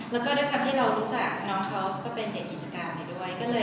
แล้วก็ด้วยความที่เรารู้จักน้องเขาก็เป็นเด็กกิจการไปด้วย